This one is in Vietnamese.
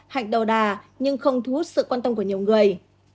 hạnh đầu đà nhưng không thu hút sự quan tâm của nhiều người